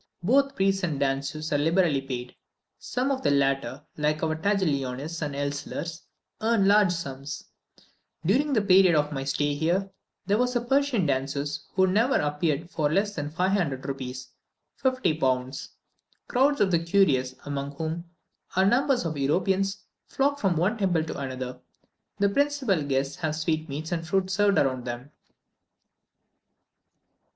Both priests and danseuses are liberally paid. Some of the latter, like our Taglionis and Elslers, earn large sums. During the period of my stay here, there was a Persian danseuse, who never appeared for less than 500 rupees (50 pounds.) Crowds of the curious, among whom are numbers of Europeans, flock from one temple to another; the principal guests have sweetmeats and fruit served round to them.